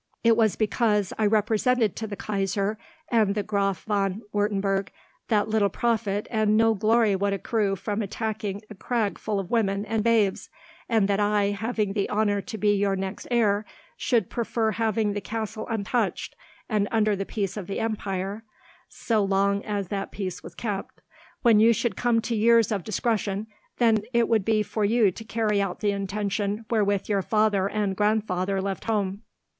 It was because I represented to the Kaiser and the Graf von Wurtemberg that little profit and no glory would accrue from attacking a crag full of women and babes, and that I, having the honour to be your next heir, should prefer having the castle untouched, and under the peace of the empire, so long as that peace was kept. When you should come to years of discretion, then it would be for you to carry out the intention wherewith your father and grandfather left home."